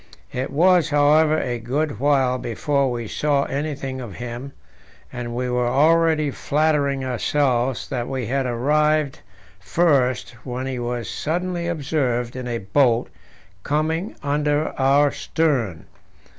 It was, however, a good while before we saw anything of him, and we were already flattering ourselves that we had arrived first when he was suddenly observed in a boat coming under our stern.